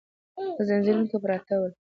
په ځنځیرونو کې پراته ول.